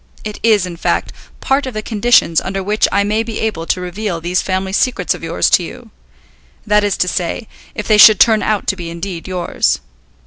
It is, in fact, part of the conditions under which I may be able to reveal these family secrets of yours to you. That is to say, if they should turn out to be indeed yours.